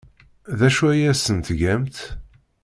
D acu ay asent-tgamt?